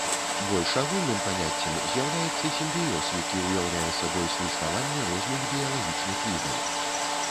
Больш агульным паняццем з'яўляецца сімбіёз, які ўяўляе сабой суіснаванне розных біялагічных відаў.